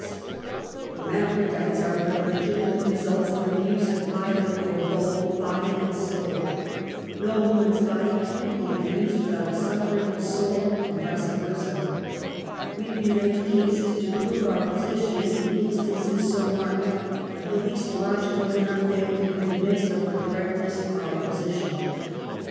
32 UNMASKED. Hermaphrodites are but legitimate results of abuse of either or both soul and body. No woman's body can be abused without a suffering of soul, and vice versa. We relate cases to prove our position in instances so marked, that the least logical cannot fail to be convinced of the correctness of our position.